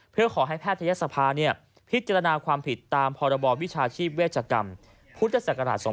เพื่อขอให้แพทยศภาพิจารณาความผิดตามพรบวิชาชีพเวชกรรมพุทธศักราช๒๕๖